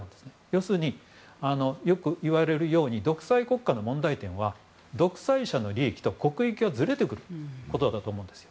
要するに、よくいわれるように独裁国家の問題点は独裁者の利益と国益がずれてくることだと思うんですよ。